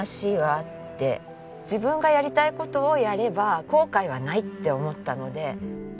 自分がやりたい事をやれば後悔はないって思ったので。